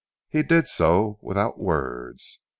He did so without words.